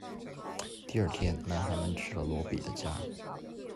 第二天，男孩们去了罗比的家。